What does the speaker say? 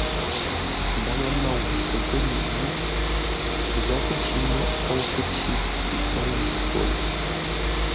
Ndaŋə nou pəpə́nyiʼi yé, Nzoghʼ nci nyôghʼ póu pəcǐ pi tə́ʉ mbi gho lə.